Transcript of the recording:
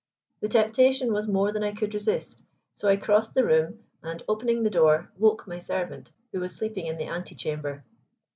The temptation was more than I could resist, so I crossed the room and, opening the door, woke my servant, who was sleeping in the ante chamber.